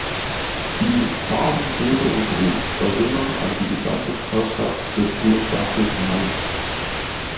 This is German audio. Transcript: Die Farben Silber und Rot erinnern an die Landesherrschaft des Kurstaates Mainz.